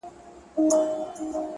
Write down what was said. • چي قاضي څه کوي زه ډېر په شرمېږم,